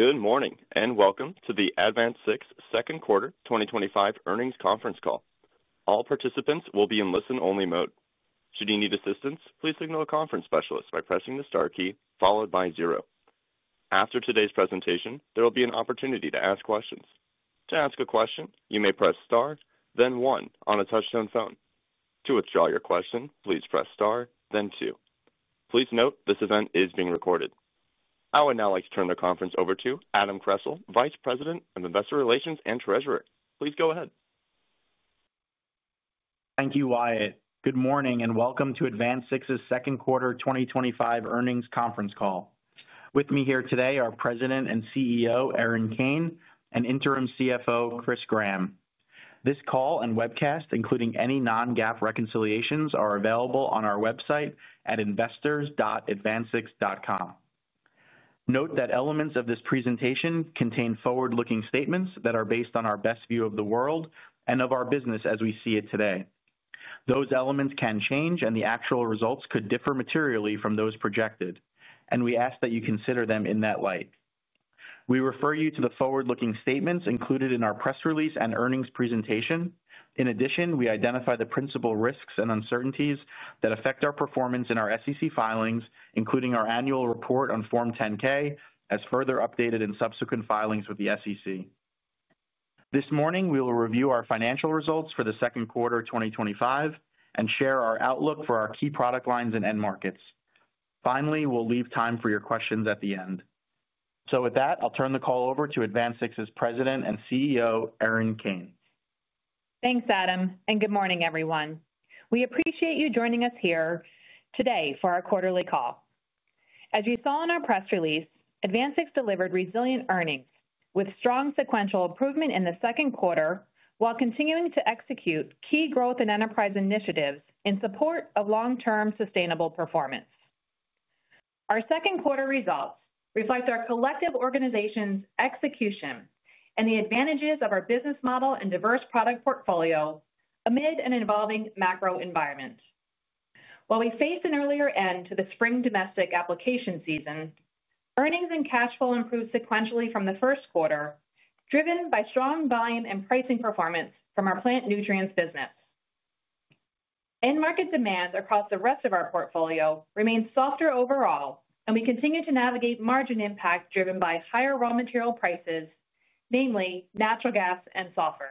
Good morning and welcome to the AdvanSix Second Quarter 2025 Earnings Conference Call. All participants will be in listen-only mode. Should you need assistance, please signal a conference specialist by pressing the star key followed by zero. After today's presentation, there will be an opportunity to ask questions. To ask a question, you may press star, then one on a touch-tone phone. To withdraw your question, please press star, then two. Please note this event is being recorded. I would now like to turn the conference over to Adam Kressel, Vice President of Investor Relations and Treasurer. Please go ahead. Thank you, Wyatt. Good morning and welcome to AdvanSix's Second Quarter 2025 Earnings Conference Call. With me here today are President and CEO Erin Kane and Interim CFO Chris Gramm. This call and webcast, including any non-GAAP reconciliations, are available on our website at investors.advansix.com. Note that elements of this presentation contain forward-looking statements that are based on our best view of the world and of our business as we see it today. Those elements can change and the actual results could differ materially from those projected, and we ask that you consider them in that light. We refer you to the forward-looking statements included in our press release and earnings presentation. In addition, we identify the principal risks and uncertainties that affect our performance in our SEC filings, including our annual report on Form 10-K, as further updated in subsequent filings with the SEC. This morning, we will review our financial results for the second quarter 2025 and share our outlook for our key product lines and end markets. Finally, we'll leave time for your questions at the end. With that, I'll turn the call over to AdvanSix's President and CEO Erin Kane. Thanks, Adam, and good morning, everyone. We appreciate you joining us here today for our quarterly call. As you saw in our press release, AdvanSix delivered resilient earnings with strong sequential improvement in the second quarter while continuing to execute key growth and enterprise initiatives in support of long-term sustainable performance. Our second-quarter results reflect our collective organization's execution and the advantages of our business model and diverse product portfolio amid an evolving macroeconomic environment. While we faced an earlier end to the spring domestic application season, earnings and cash flow improved sequentially from the first quarter, driven by strong buy-in and pricing performance from our Plant Nutrients business. End market demand across the rest of our portfolio remains softer overall, and we continue to navigate margin pressures driven by higher raw material prices, namely natural gas and sulfur.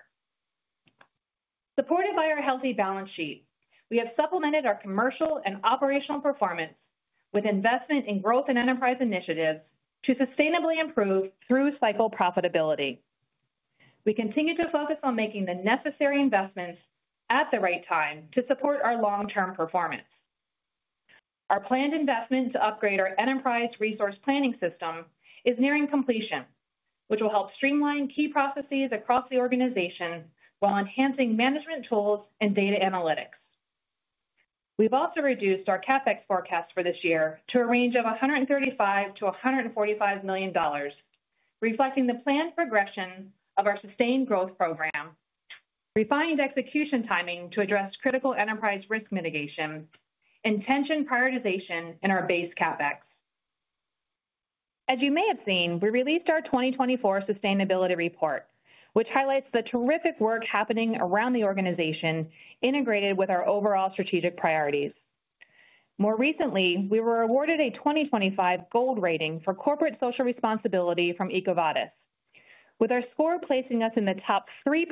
Supported by our healthy balance sheet, we have supplemented our commercial and operational performance with investment in growth and enterprise initiatives to sustainably improve through cycle profitability. We continue to focus on making the necessary investments at the right time to support our long-term performance. Our planned investment to upgrade our enterprise resource planning system is nearing completion, which will help streamline key processes across the organization while enhancing management tools and data analytics. We've also reduced our CapEx forecast for this year to a range of $135 to $145 million, reflecting the planned progression of our Sustained Growth Program, refined execution timing to address critical enterprise risk mitigation, and tension prioritization in our base CapEx. As you may have seen, we released our 2024 Sustainability Report, which highlights the terrific work happening around the organization, integrated with our overall strategic priorities. More recently, we were awarded a 2025 Gold rating for corporate social responsibility from EcoVadis, with our score placing us in the top 3%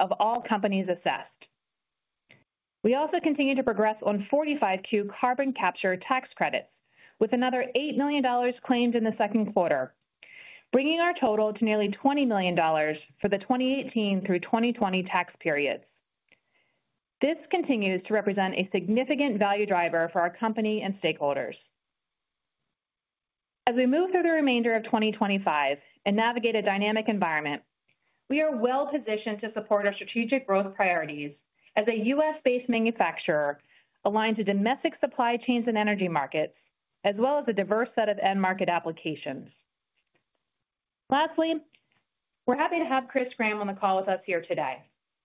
of all companies assessed. We also continue to progress on 45Q carbon capture tax credits, with another $8 million claimed in the second quarter, bringing our total to nearly $20 million for the 2018 through 2020 tax periods. This continues to represent a significant value driver for our company and stakeholders. As we move through the remainder of 2025 and navigate a dynamic environment, we are well positioned to support our strategic growth priorities as a U.S. based manufacturer aligned to domestic supply chains and energy markets, as well as a diverse set of end-market applications. Lastly, we're happy to have Chris Gramm on the call with us here today.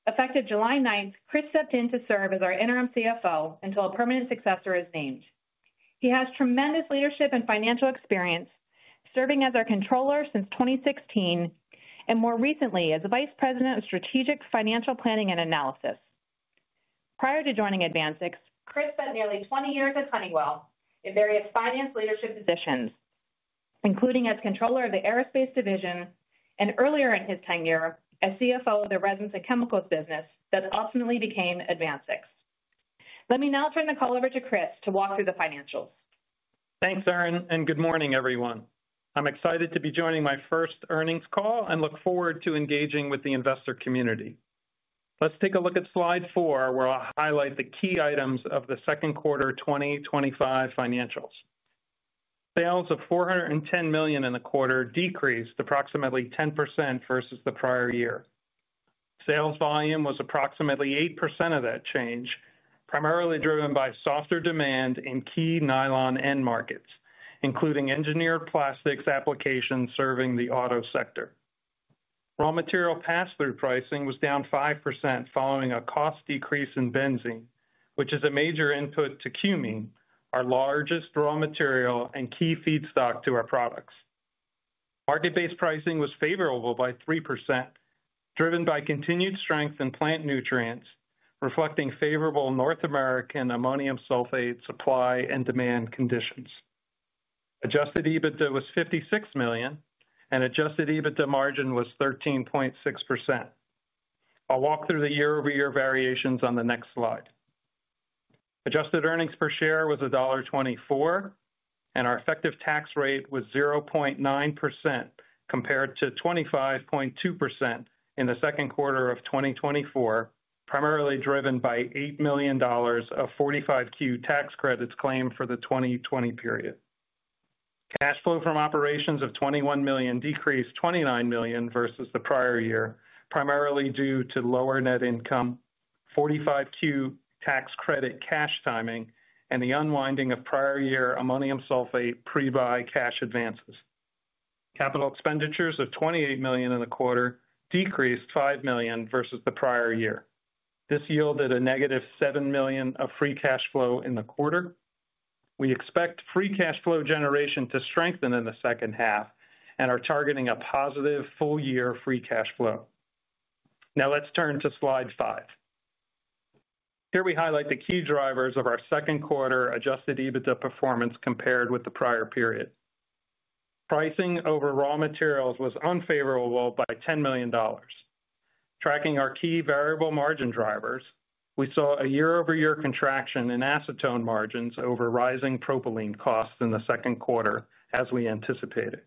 Effective July 9, Chris stepped in to serve as our Interim CFO until a permanent successor is named. He has tremendous leadership and financial experience, serving as our Controller since 2016 and more recently as Vice President of Strategic Financial Planning and Analysis. Prior to joining AdvanSix, Chris spent nearly 20 years at Honeywell in various finance leadership positions, including as Controller of the Aerospace Division and earlier in his tenure as CFO of the resins and chemicals business that ultimately became AdvanSix. Let me now turn the call over to Chris to walk through the financials. Thanks, Erin, and good morning, everyone. I'm excited to be joining my first earnings call and look forward to engaging with the investor community. Let's take a look at slide four, where I'll highlight the key items of the second quarter 2025 financials. Sales of $410 million in the quarter decreased approximately 10% versus the prior year. Sales volume was approximately 8% of that change, primarily driven by softer demand in key Nylon end-markets, including Engineered Plastics applications serving the auto sector. Raw material pass-through pricing was down 5% following a cost decrease in benzene, which is a major input to cumene, our largest raw material and key feedstock to our products. Market-based pricing was favorable by 3%, driven by continued strength in Plant Nutrients, reflecting favorable North American Ammonium Sulfate supply and demand conditions. Adjusted EBITDA was $56 million, and adjusted EBITDA margin was 13.6%. I'll walk through the year-over-year variations on the next slide. Adjusted earnings per share was $1.24, and our effective tax rate was 0.9% compared to 25.2% in the second quarter of 2024, primarily driven by $8 million of 45Q tax credits claimed for the 2020 period. Cash flow from operations of $21 million decreased $29 million versus the prior year, primarily due to lower net income, 45Q tax credit cash timing, and the unwinding of prior year Ammonium Sulfate pre-buy cash advances. Capital expenditures (CapEx) of $28 million in the quarter decreased $5 million versus the prior year. This yielded a negative $7 million of free cash flow in the quarter. We expect free cash flow generation to strengthen in the second half and are targeting a positive full year free cash flow. Now let's turn to slide five. Here we highlight the key drivers of our second quarter adjusted EBITDA performance compared with the prior period. Pricing over raw materials was unfavorable by $10 million. Tracking our key variable margin drivers, we saw a year-over-year contraction in acetone margins over rising propylene costs in the second quarter, as we anticipated.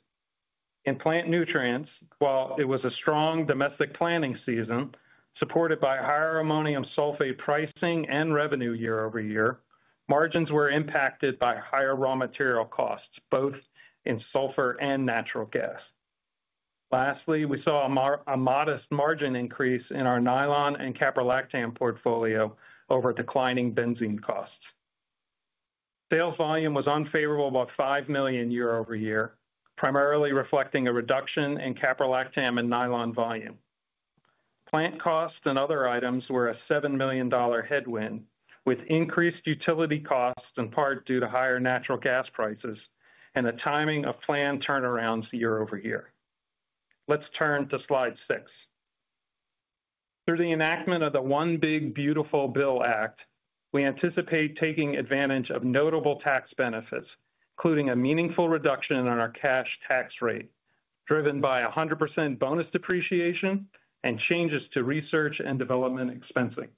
In Plant Nutrients, while it was a strong domestic planting season, supported by higher Ammonium Sulfate pricing and revenue year-over-year, margins were impacted by higher raw material costs, both in sulfur and natural gas. Lastly, we saw a modest margin increase in our nylon and caprolactam portfolio over declining benzene costs. Sales volume was unfavorable by $5 million year-over-year, primarily reflecting a reduction in caprolactam and Nylon volume. Plant costs and other items were a $7 million headwind, with increased utility costs in part due to higher natural gas prices and the timing of planned turnarounds year-over-year. Let's turn to slide six. Through the enactment of the One Big Beautiful Bill Act, we anticipate taking advantage of notable tax benefits, including a meaningful reduction in our cash tax rate, driven by 100% bonus depreciation and changes to research and development expensing.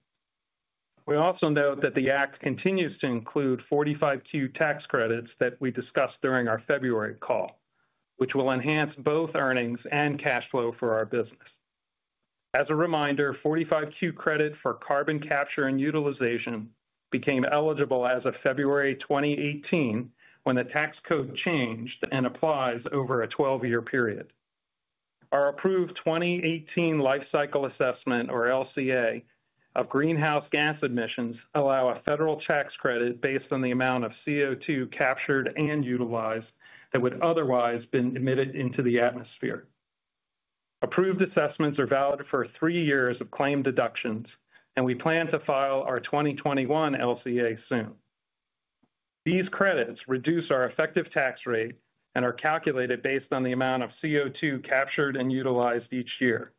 We also note that the Act continues to include 45Q tax credits that we discussed during our February call, which will enhance both earnings and cash flow for our business. As a reminder, 45Q credit for carbon capture and utilization became eligible as of February 2018 when the tax code changed and applies over a 12-year period. Our approved 2018 Life Cycle Assessment, or LCA, of greenhouse gas emissions allows a federal tax credit based on the amount of CO2 captured and utilized that would otherwise have been emitted into the atmosphere. Approved assessments are valid for three years of claim deductions, and we plan to file our 2021 LCA soon. These credits reduce our effective tax rate and are calculated based on the amount of CO2 captured and utilized each year.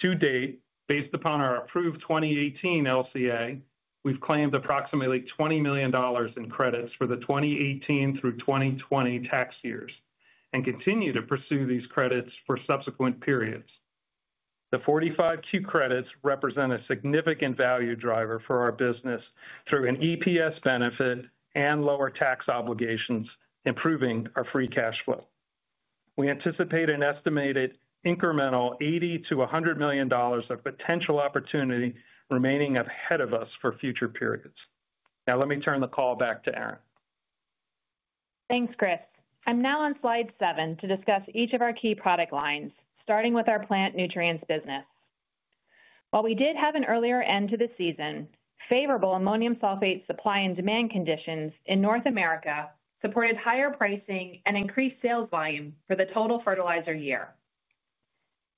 To date, based upon our approved 2018 LCA, we've claimed approximately $20 million in credits for the 2018 through 2020 tax years and continue to pursue these credits for subsequent periods. The 45Q credits represent a significant value driver for our business through an EPS benefit and lower tax obligations, improving our free cash flow. We anticipate an estimated incremental $80 to $100 million of potential opportunity remaining ahead of us for future periods. Now let me turn the call back to Erin. Thanks, Chris. I'm now on slide seven to discuss each of our key product lines, starting with our Plant Nutrients business. While we did have an earlier end to the season, favorable Ammonium Sulfate supply and demand conditions in North America supported higher pricing and increased sales volume for the total fertilizer year.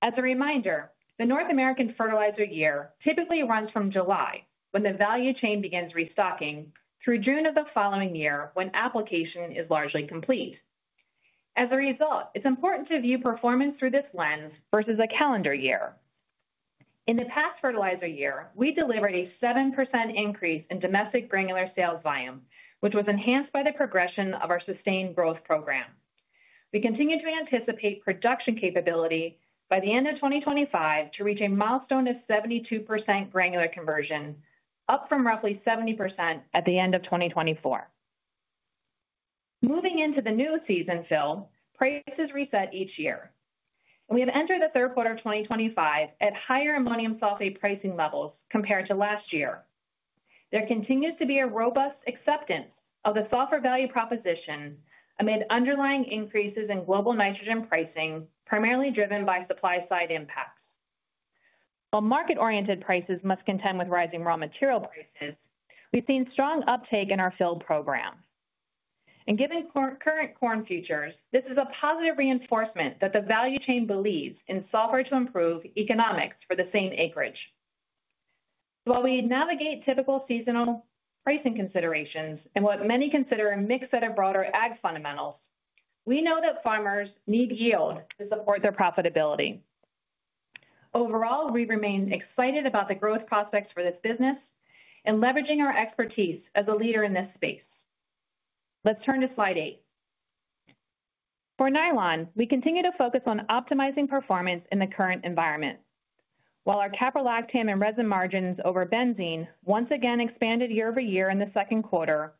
As a reminder, the North American fertilizer year typically runs from July, when the value chain begins restocking, through June of the following year, when application is largely complete. As a result, it's important to view performance through this lens versus a calendar year. In the past fertilizer year, we delivered a 7% increase in domestic granular sales volume, which was enhanced by the progression of our Sustained Growth Program. We continue to anticipate production capability by the end of 2025 to reach a milestone of 72% Granular Conversion, up from roughly 70% at the end of 2024. Moving into the new season fill, prices reset each year. We have entered the third quarter of 2025 at higher Ammonium Sulfate pricing levels compared to last year. There continues to be a robust acceptance of the sulfur value proposition amid underlying increases in global nitrogen pricing, primarily driven by supply-side impacts. While market-oriented prices must contend with rising raw material prices, we've seen strong uptake in our fill program. Given current corn futures, this is a positive reinforcement that the value chain believes in sulfur to improve economics for the same acreage. While we navigate typical seasonal pricing considerations and what many consider a mixed set of broader ag fundamentals, we know that farmers need yield to support their profitability. Overall, we remain excited about the growth prospects for this business and leveraging our expertise as a leader in this space. Let's turn to slide eight. For Nylon, we continue to focus on optimizing performance in the current environment. While our Caprolactam and Resin margins over benzene once again expanded year-over-year in the second quarter,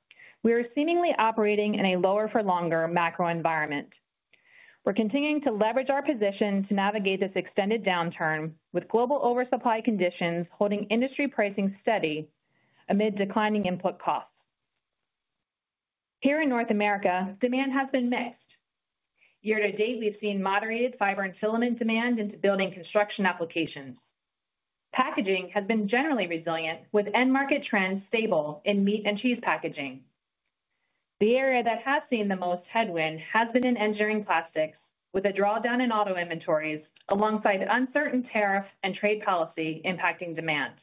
we are seemingly operating in a lower-for-longer macro environment. We're continuing to leverage our position to navigate this extended downturn with global oversupply conditions holding industry pricing steady amid declining input costs. Here in North America, demand has been mixed. Year to date, we've seen moderated fiber and filament demand into building construction applications. Packaging has been generally resilient, with end market trends stable in meat and cheese packaging. The area that has seen the most headwind has been in engineering plastics, with a drawdown in auto inventories, alongside uncertain tariff and trade policy impacting demand.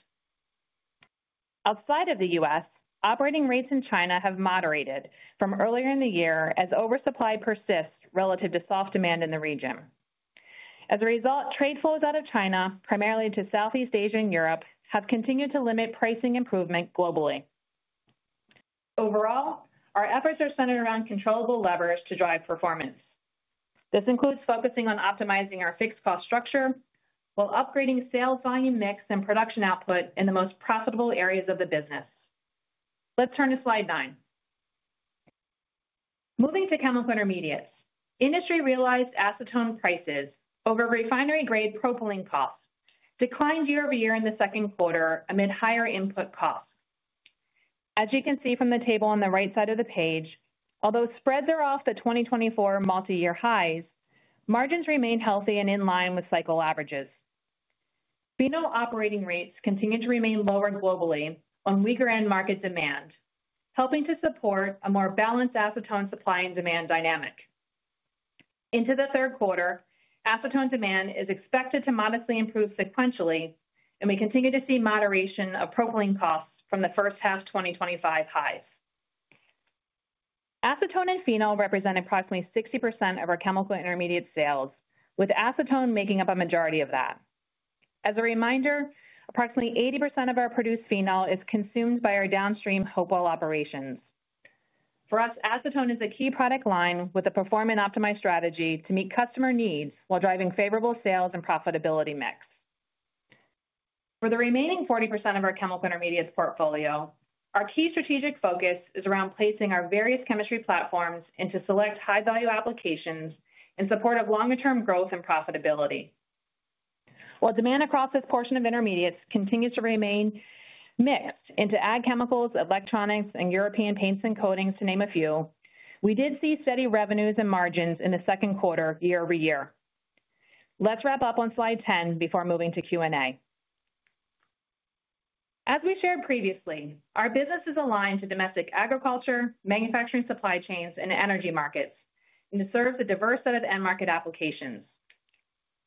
Outside of the U.S., operating rates in China have moderated from earlier in the year as oversupply persists relative to soft demand in the region. As a result, trade flows out of China, primarily to Southeast Asia and Europe, have continued to limit pricing improvement globally. Overall, our efforts are centered around controllable levers to drive performance. This includes focusing on optimizing our fixed cost structure while upgrading sales volume mix and production output in the most profitable areas of the business. Let's turn to slide nine. Moving to chemical intermediates, industry-realized acetone prices over refinery-grade propylene costs declined year-over-year in the second quarter amid higher input costs. As you can see from the table on the right side of the page, although spreads are off at 2024 multi-year highs, margins remained healthy and in line with cycle averages. Feed-on operating rates continue to remain lower globally on weaker end market demand, helping to support a more balanced Acetone supply and demand dynamic. Into the third quarter, acetone demand is expected to modestly improve sequentially, and we continue to see moderation of propylene costs from the first half of 2025 highs. Acetone and Phenol represent approximately 60% of our chemical intermediate sales, with Acetone making up a majority of that. As a reminder, approximately 80% of our produced Phenol is consumed by our downstream Hopewell operations. For us, acetone is a key product line with a perform and optimize strategy to meet customer needs while driving favorable sales and profitability mix. For the remaining 40% of our chemical intermediates portfolio, our key strategic focus is around placing our various chemistry platforms into select high-value applications in support of longer-term growth and profitability. While demand across this portion of intermediates continues to remain mixed into ag chemicals, electronics, and European paints and coatings, to name a few, we did see steady revenues and margins in the second quarter year-over-year. Let's wrap up on slide 10 before moving to Q&A. As we shared previously, our business is aligned to domestic agriculture, manufacturing supply chains, and energy markets, and it serves a diverse set of end market applications.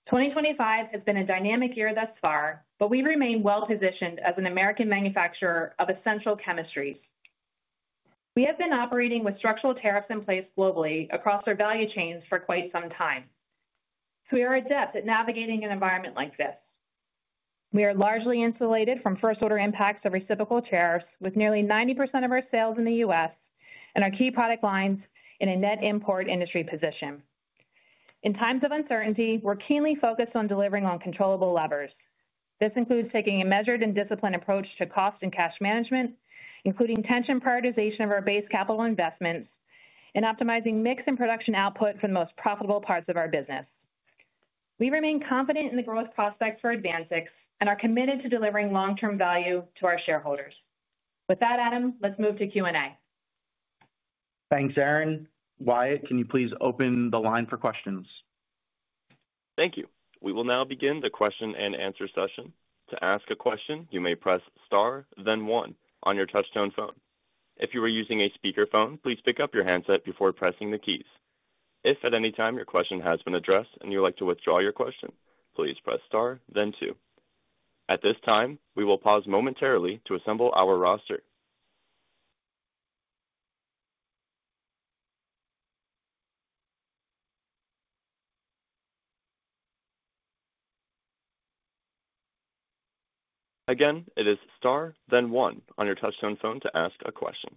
2025 has been a dynamic year thus far, but we remain well positioned as an American manufacturer of essential chemistries. We have been operating with structural tariffs in place globally across our value chains for quite some time. We are adept at navigating an environment like this. We are largely insulated from first-order impacts of reciprocal tariffs, with nearly 90% of our sales in the U.S. and our key product lines in a net import industry position. In times of uncertainty, we're keenly focused on delivering on controllable levers. This includes taking a measured and disciplined approach to cost and cash management, including tension prioritization of our base capital investments and optimizing mix and production output for the most profitable parts of our business. We remain confident in the growth prospects for AdvanSix and are committed to delivering long-term value to our shareholders. With that, Adam, let's move to Q&A. Thanks, Erin. Wyatt, can you please open the line for questions? Thank you. We will now begin the question and answer session. To ask a question, you may press star, then one on your touch-tone phone. If you are using a speakerphone, please pick up your handset before pressing the keys. If at any time your question has been addressed and you would like to withdraw your question, please press star, then two. At this time, we will pause momentarily to assemble our roster. Again, it is star, then one on your touch-tone phone to ask a question.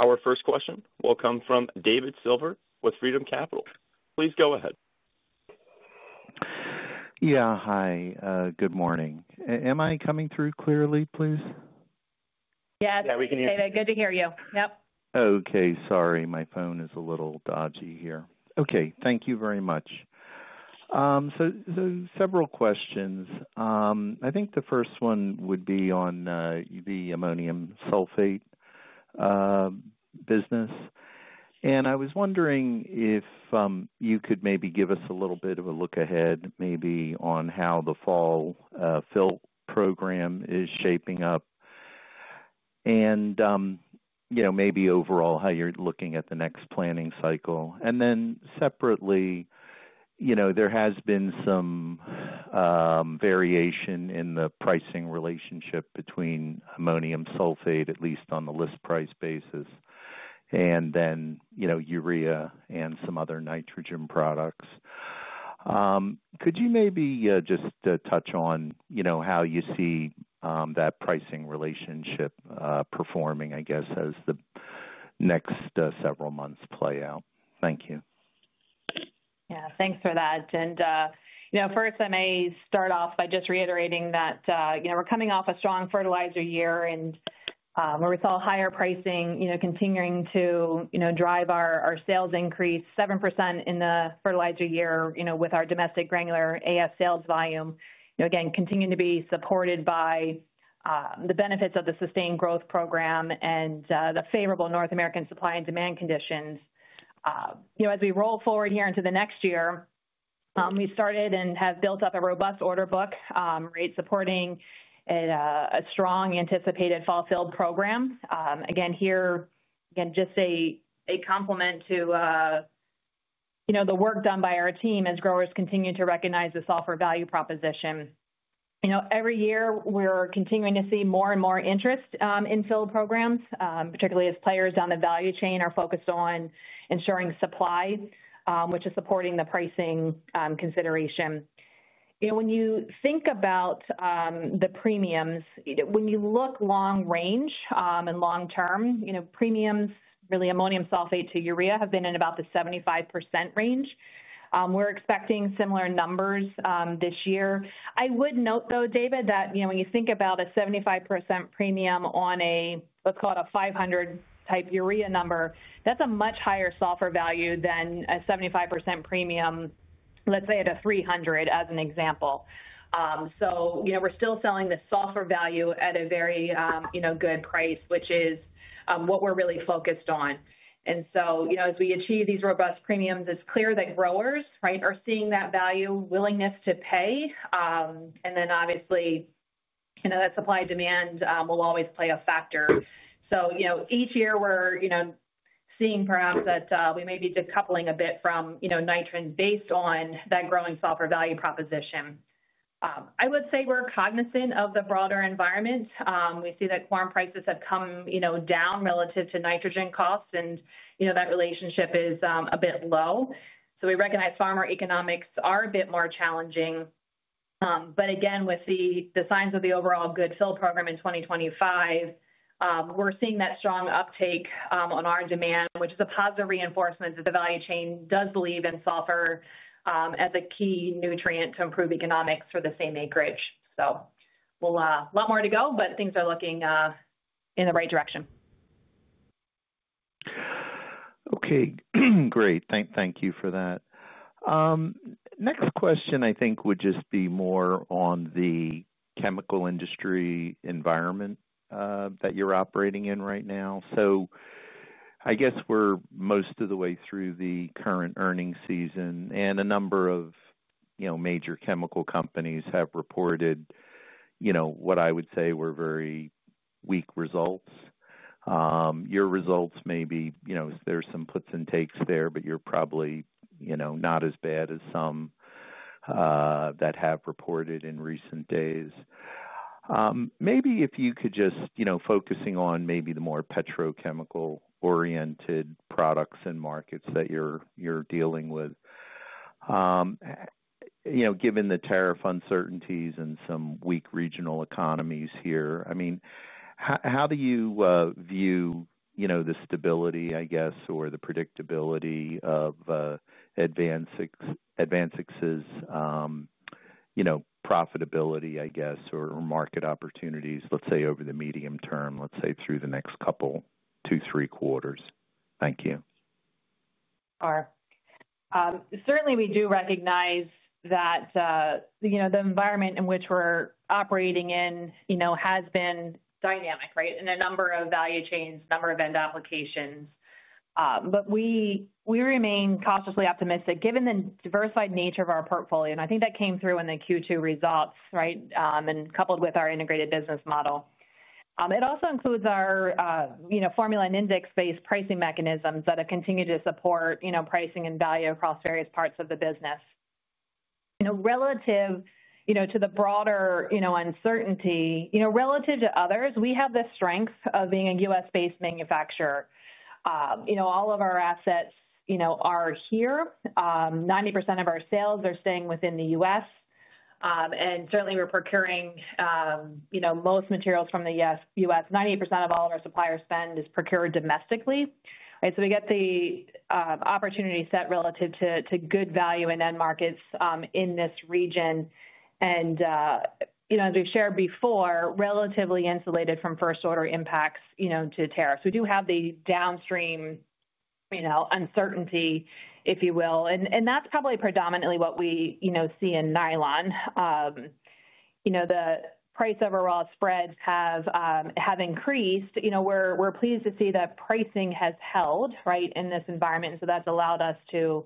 Our first question will come from David Silver with Freedom Capital. Please go ahead. Good morning. Am I coming through clearly, please? Yeah, we can hear you. Good to hear you. Yep. Okay, sorry, my phone is a little dodgy here. Thank you very much. Several questions. I think the first one would be on the Ammonium Sulfate business. I was wondering if you could maybe give us a little bit of a look ahead, maybe on how the fall fill program is shaping up and, you know, maybe overall how you're looking at the next planning cycle. Separately, there has been some variation in the pricing relationship between Ammonium Sulfate, at least on the list price basis, and then, you know, urea and some other nitrogen products. Could you maybe just touch on, you know, how you see that pricing relationship performing, I guess, as the next several months play out? Thank you. Yeah, thanks for that. First, I may start off by just reiterating that we're coming off a strong fertilizer year where we saw higher pricing continuing to drive our sales increase 7% in the fertilizer year, with our domestic granular AS sales volume again continuing to be supported by the benefits of the Sustained Growth Program and the favorable North American supply and demand conditions. As we roll forward here into the next year, we started and have built up a robust order book rate supporting a strong anticipated fall fill program. Again, just a compliment to the work done by our team as growers continue to recognize the sulfur value proposition. Every year, we're continuing to see more and more interest in fill programs, particularly as players down the value chain are focused on ensuring supply, which is supporting the pricing consideration. When you think about the premiums, when you look long-range and long-term, premiums, really, Ammonium Sulfate to urea have been in about the 75% range. We're expecting similar numbers this year. I would note, though, David, that when you think about a 75% premium on a, let's call it a $500-type urea number, that's a much higher sulfur value than a 75% premium, let's say at a $300 as an example. We're still selling the sulfur value at a very good price, which is what we're really focused on. As we achieve these robust premiums, it's clear that growers are seeing that value willingness to pay. Obviously, that supply-demand will always play a factor. Each year we're seeing perhaps that we may be decoupling a bit from nitrogen based on that growing sulfur value proposition. I would say we're cognizant of the broader environment. We see that corn prices have come down relative to nitrogen costs, and that relationship is a bit low. We recognize farmer economics are a bit more challenging. Again, with the signs of the overall good fill program in 2025, we're seeing that strong uptake on our demand, which is a positive reinforcement that the value chain does believe in sulfur as a key nutrient to improve economics for the same acreage. A lot more to go, but things are looking in the right direction. Okay, great. Thank you for that. Next question, I think, would just be more on the chemical industry environment that you're operating in right now. I guess we're most of the way through the current earnings season, and a number of major chemical companies have reported what I would say were very weak results. Your results may be, there's some puts and takes there, but you're probably not as bad as some that have reported in recent days. Maybe if you could just, focusing on maybe the more petrochemical-oriented products and markets that you're dealing with, given the tariff uncertainties and some weak regional economies here, I mean, how do you view the stability, I guess, or the predictability of AdvanSix's profitability, I guess, or market opportunities, let's say, over the medium term, let's say, through the next couple, two, three quarters? Thank you. Certainly, we do recognize that the environment in which we're operating has been dynamic in a number of value chains, a number of end applications. We remain cautiously optimistic given the diversified nature of our portfolio. I think that came through in the Q2 results, coupled with our integrated business model. It also includes our formula and index-based pricing mechanisms that have continued to support pricing and value across various parts of the business. Relative to the broader uncertainty, relative to others, we have the strength of being a U.S. based manufacturer. All of our assets are here. 90% of our sales are staying within the U.S., and certainly, we're procuring most materials from the U.S. 90% of all of our supplier spend is procured domestically. We get the opportunity set relative to good value in end markets in this region. As we've shared before, we are relatively insulated from first-order impacts to tariffs. We do have the downstream uncertainty, if you will, and that's probably predominantly what we see in nylon. The price overall spreads have increased. We're pleased to see that pricing has held in this environment, and that's allowed us to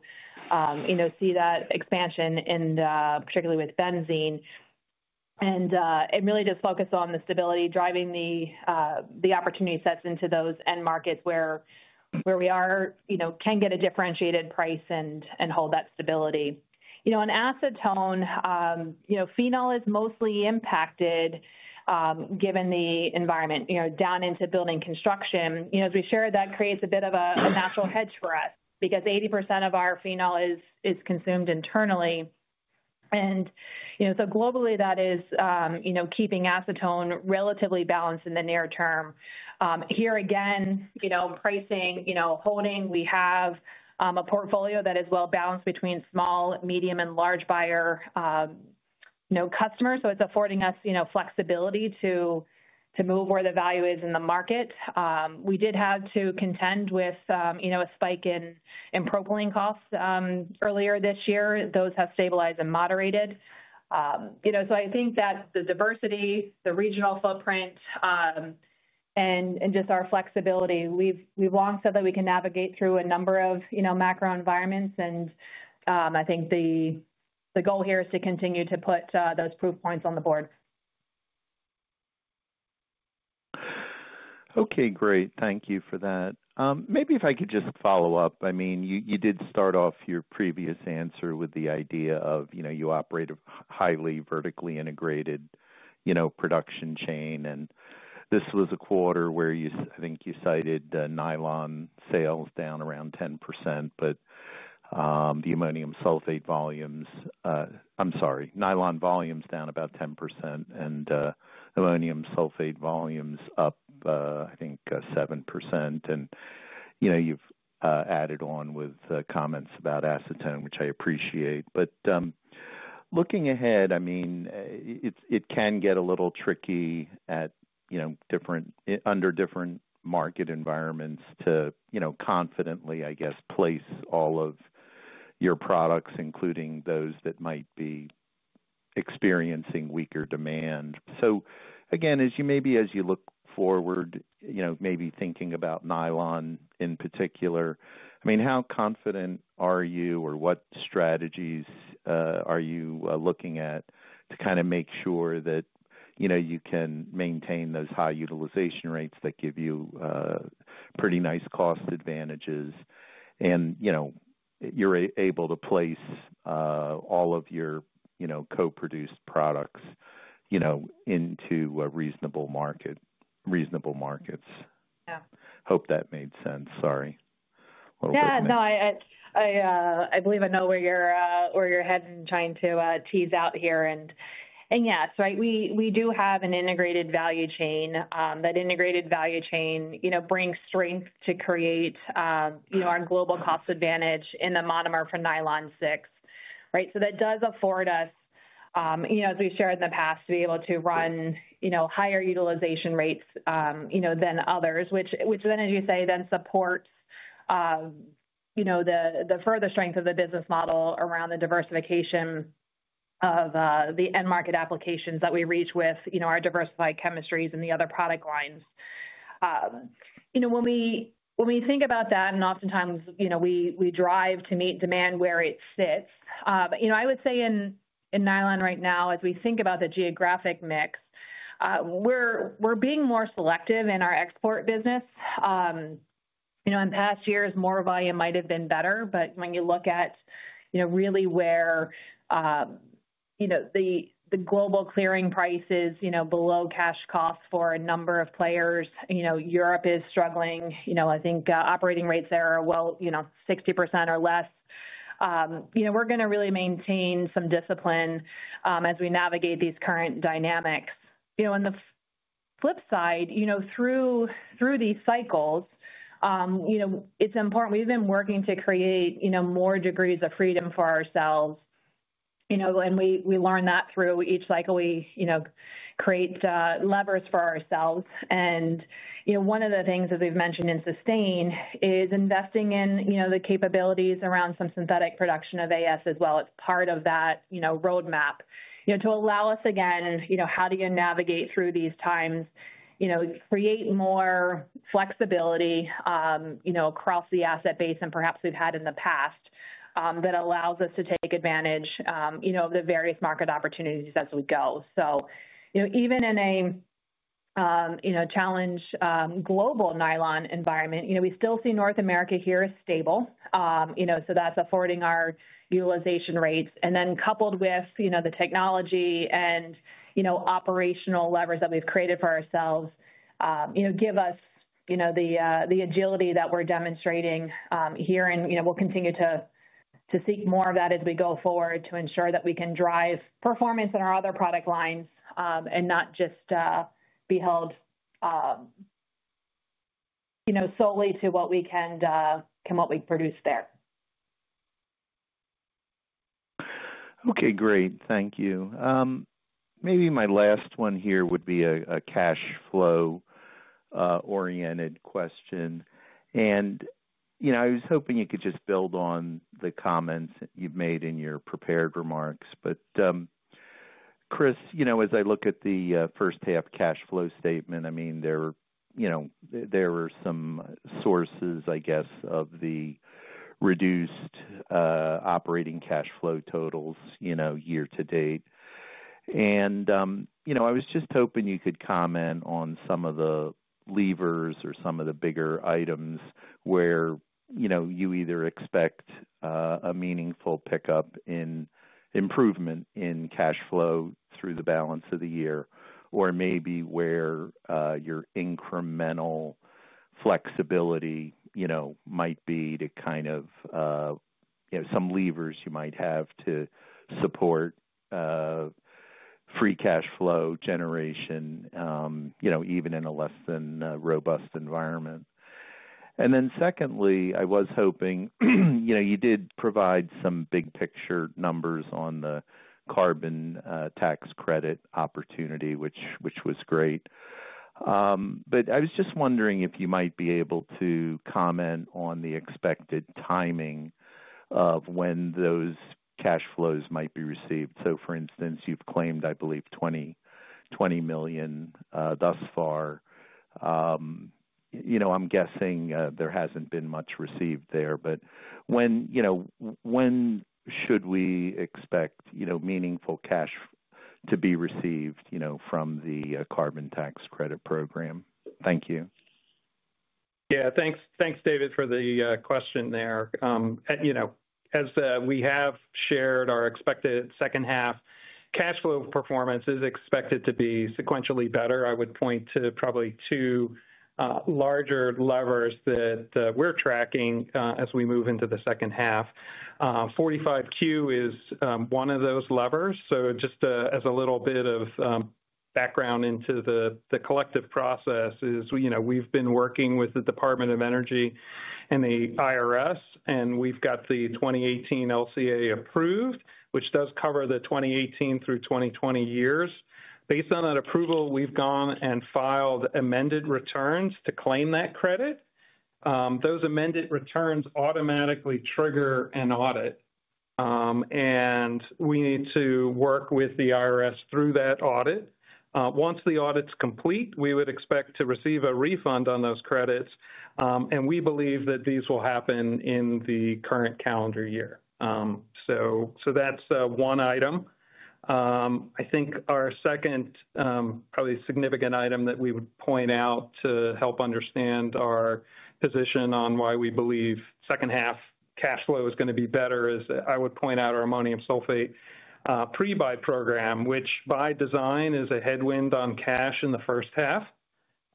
see that expansion, particularly with benzene. It really does focus on the stability, driving the opportunity sets into those end markets where we can get a differentiated price and hold that stability. In Acetone, Phenol is mostly impacted given the environment, down into building construction. As we shared, that creates a bit of a natural hedge for us because 80% of our Phenol is consumed internally. Globally, that is keeping acetone relatively balanced in the near term. Here again, pricing is holding. We have a portfolio that is well balanced between small, medium, and large buyer customers, so it's affording us flexibility to move where the value is in the market. We did have to contend with a spike in propylene costs earlier this year. Those have stabilized and moderated. I think that the diversity, the regional footprint, and just our flexibility, we've long said that we can navigate through a number of macro environments. I think the goal here is to continue to put those proof points on the board. Okay, great. Thank you for that. Maybe if I could just follow up, I mean, you did start off your previous answer with the idea of, you know, you operate a highly vertically integrated, you know, production chain. This was a quarter where you, I think you cited Nylon sales down around 10%, but the Ammonium Sulfate volumes, I'm sorry, Nylon volumes down about 10% and Ammonium Sulfate volumes up, I think, 7%. You know, you've added on with comments about Acetone, which I appreciate. Looking ahead, it can get a little tricky at, you know, under different market environments to, you know, confidently, I guess, place all of your products, including those that might be experiencing weaker demand. Again, as you maybe, as you look forward, you know, maybe thinking about nylon in particular, I mean, how confident are you or what strategies are you looking at to kind of make sure that, you know, you can maintain those high utilization rates that give you pretty nice cost advantages and, you know, you're able to place all of your, you know, co-produced products, you know, into reasonable markets. Yeah, hope that made sense. Sorry. Yeah, no, I believe I know where you're heading and trying to tease out here. Yes, right, we do have an integrated value chain. That integrated value chain brings strength to create our global cost advantage in the monomer for Nylon 6. That does afford us, as we shared in the past, to be able to run higher utilization rates than others, which then, as you say, supports the further strength of the business model around the diversification of the end market applications that we reach with our diversified chemistries and the other product lines. When we think about that, and oftentimes we drive to meet demand where it sits, I would say in nylon right now, as we think about the geographic mix, we're being more selective in our export business. In past years, more volume might have been better, but when you look at really where the global clearing price is below cash costs for a number of players, Europe is struggling. I think operating rates there are well, 60% or less. We're going to really maintain some discipline as we navigate these current dynamics. On the flip side, through these cycles, it's important. We've been working to create more degrees of freedom for ourselves. We learn that through each cycle we create levers for ourselves. One of the things that we've mentioned in Sustain is investing in the capabilities around some synthetic production of AS as well. It's part of that roadmap to allow us again, how do you navigate through these times, create more flexibility across the asset base and perhaps we've had in the past that allows us to take advantage of the various market opportunities as we go. Even in a challenged global Nylon environment, we still see North America here as stable. That's affording our utilization rates. Coupled with the technology and operational levers that we've created for ourselves, give us the agility that we're demonstrating here. We'll continue to seek more of that as we go forward to ensure that we can drive performance in our other product lines and not just be held solely to what we can and what we produce there. Okay, great. Thank you. Maybe my last one here would be a cash flow-oriented question. I was hoping you could just build on the comments you've made in your prepared remarks. Chris, as I look at the first half cash flow statement, there are some sources, I guess, of the reduced operating cash flow totals year to date. I was just hoping you could comment on some of the levers or some of the bigger items where you either expect a meaningful pickup in improvement in cash flow through the balance of the year, or maybe where your incremental flexibility might be to kind of, you know, some levers you might have to support free cash flow generation, even in a less than robust environment. Secondly, I was hoping, you did provide some big picture numbers on the carbon tax credit opportunity, which was great. I was just wondering if you might be able to comment on the expected timing of when those cash flows might be received. For instance, you've claimed, I believe, $20 million thus far. I'm guessing there hasn't been much received there. When should we expect meaningful cash to be received from the carbon tax credit program? Thank you. Yeah, thanks, thanks David for the question there. As we have shared, our expected second half cash flow performance is expected to be sequentially better. I would point to probably two larger levers that we're tracking as we move into the second half. 45Q is one of those levers. Just as a little bit of background into the collective process is, we've been working with the Department of Energy and the IRS, and we've got the 2018 LCA approved, which does cover the 2018 through 2020 years. Based on that approval, we've gone and filed amended returns to claim that credit. Those amended returns automatically trigger an audit, and we need to work with the IRS through that audit. Once the audit's complete, we would expect to receive a refund on those credits, and we believe that these will happen in the current calendar year. That's one item. I think our second probably significant item that we would point out to help understand our position on why we believe second half cash flow is going to be better is that I would point out our Ammonium Sulfate pre-buy program, which by design is a headwind on cash in the first half.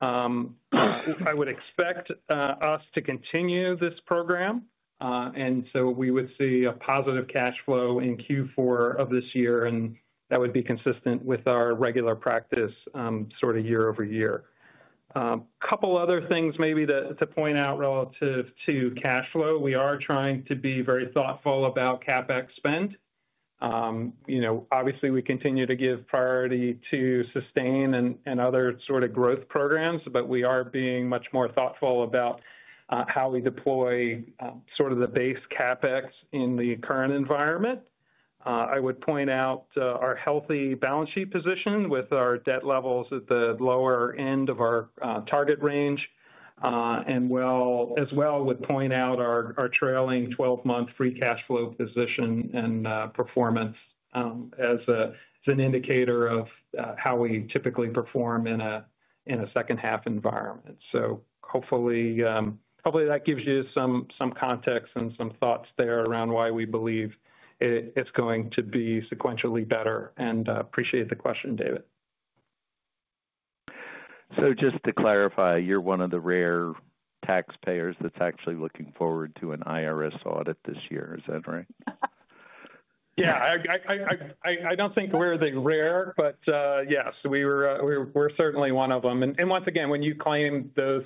I would expect us to continue this program, and we would see a positive cash flow in Q4 of this year, and that would be consistent with our regular practice sort of year over year. A couple other things maybe to point out relative to cash flow. We are trying to be very thoughtful about CapEx spend. Obviously we continue to give priority to Sustain and other sort of growth programs, but we are being much more thoughtful about how we deploy sort of the base CapEx in the current environment. I would point out our healthy balance sheet position with our debt levels at the lower end of our target range, and as well would point out our trailing 12-month free cash flow position and performance as an indicator of how we typically perform in a second half environment. Hopefully, that gives you some context and some thoughts there around why we believe it's going to be sequentially better, and I appreciate the question, David. Just to clarify, you're one of the rare taxpayers that's actually looking forward to an IRS audit this year, is that right? Yeah, I don't think we're the rare, but yes, we're certainly one of them. Once again, when you claim those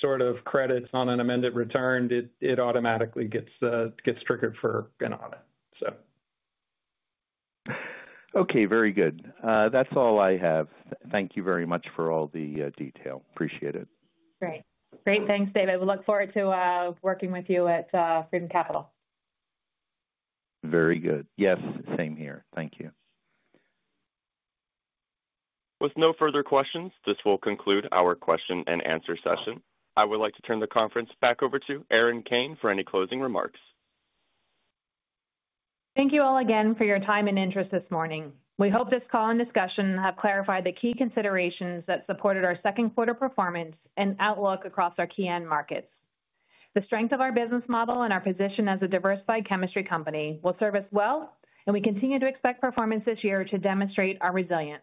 sort of credits on an amended return, it automatically gets triggered for an audit. Okay, very good. That's all I have. Thank you very much for all the detail. Appreciate it. Great, great, thanks, David. We look forward to working with you at Freedom Capital. Very good. Yes, same here. Thank you. With no further questions, this will conclude our question and answer session. I would like to turn the conference back over to Erin Kane for any closing remarks. Thank you all again for your time and interest this morning. We hope this call and discussion have clarified the key considerations that supported our second quarter performance and outlook across our key end markets. The strength of our business model and our position as a diversified chemistry company will serve us well, and we continue to expect performance this year to demonstrate our resilience.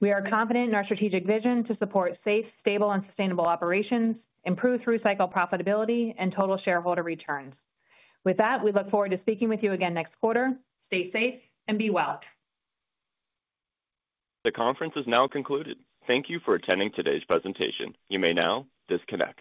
We are confident in our strategic vision to support safe, stable, and sustainable operations, improve through cycle profitability, and total shareholder returns. With that, we look forward to speaking with you again next quarter. Stay safe and be well. The conference is now concluded. Thank you for attending today's presentation. You may now disconnect.